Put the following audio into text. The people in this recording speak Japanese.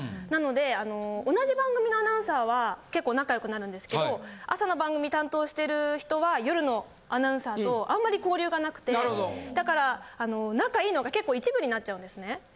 なので同じ番組のアナウンサーは結構仲良くなるんですけど朝の番組担当してる人は夜のアナウンサーとあんまり交流がなくてだから仲いいのが結構一部になっちゃうんですね。